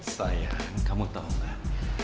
sayang kamu tau gak